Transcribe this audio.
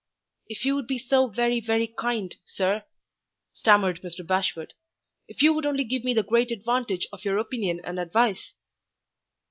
"If you would be so very, very kind, sir!" stammered Mr. Bashwood. "If you would only give me the great advantage of your opinion and advice."